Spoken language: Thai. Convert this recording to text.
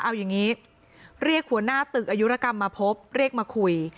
เอาอย่างนี้เรียกหัวหน้าตึกอายุรกรรมมาพบเรียกมาคุย